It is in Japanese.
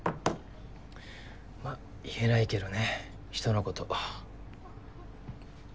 まあ言えないけどね人のこと。